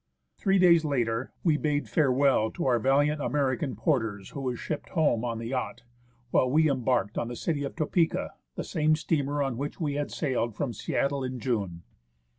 Three days later we bade farewell to our valiant American porters, who were shipped home on the yacht, while we embarked on the CJiy of Topeka, the same steamer on which we had sailed from Seattle in June.